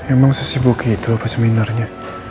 emang sesibuk gitu apa seminarnya